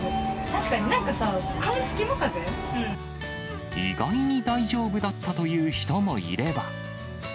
確かに、なんかさあ、風、意外に大丈夫だったという人もいれば。